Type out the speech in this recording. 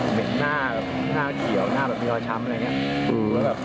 เหม็นหน้าเกี่ยวหน้าแบบมีร้อยช้ำอะไรอย่างนี้